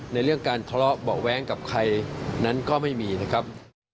เรื่องการทะเลาะเบาะแว้งกับใครนั้นก็ไม่มีนะครับ